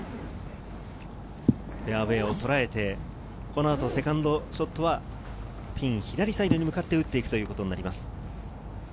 フェアウエーをとらえて、この後セカンドショットはピン左サイドに向かって打っていくということになります。